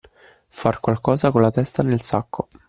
Far qualcosa con la testa nel sacco.